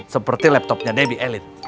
seperti laptopnya debbie elit